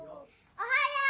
おはよう！